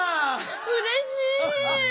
うれしい！